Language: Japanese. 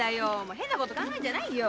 変なこと考えんじゃないよ。